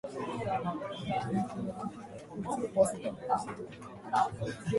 The island is perhaps best known for a major archaeological area.